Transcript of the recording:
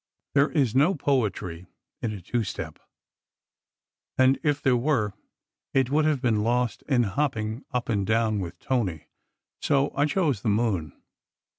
There is no poetry in a two step, and if there were it would have been lost in hopping up and down with Tony, so I chose the moon.